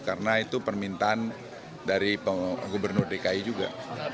karena itu permintaan dari gubernur dki juga